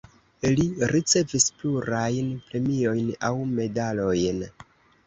Li ricevis plurajn premiojn aŭ medalojn.